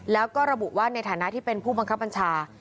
แล้วก็ระบุว่าในฐานะที่เป็นผู้บังคับบัญชา